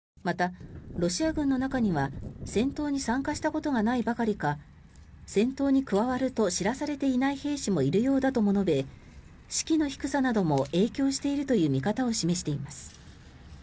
またロシア軍の中には戦闘に参加したことがないばかりか戦闘に加わると知らされていない兵士もいるようだとも述べ士気の低さなども影響しているという見方を示しています。